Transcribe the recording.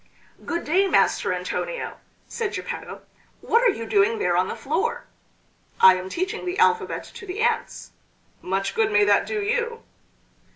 "Good day, Master Antonio," said Geppetto; "what are you doing there on the floor?" "I am teaching the alphabet to the ants." "Much good may that do you."